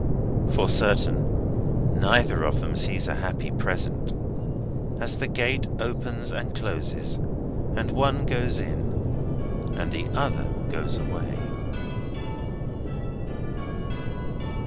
For certain, neither of them sees a happy Present, as the gate opens and closes, and one goes in, and the other goes away.